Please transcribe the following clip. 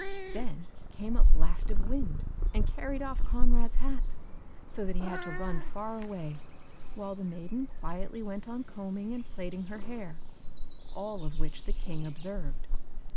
Then came a blast of wind and carried off Conrad's hat, so that he had to run far away, while the maiden quietly went on combing and plaiting her hair, all of which the King observed.